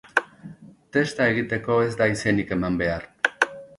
Testa egiteko ez da izenik eman behar.